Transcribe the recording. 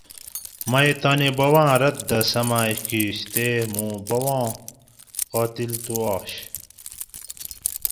مئ تانی بوباۤں رت دہ سمائ کیش تے موں بوباں قاتل ئ تو آش